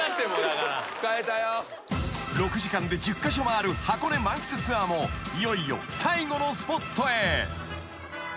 ［６時間で１０カ所回る箱根満喫ツアーもいよいよ最後のスポットへ］